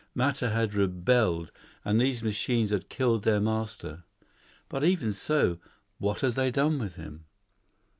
Matter had rebelled, and these machines had killed their master. But even so, what had they done with him?